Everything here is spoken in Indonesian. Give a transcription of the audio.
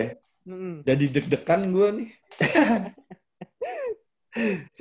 udah dideg degan gua nih